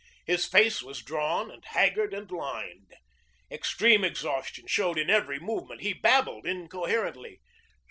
His face was drawn and haggard and lined. Extreme exhaustion showed in every movement. He babbled incoherently.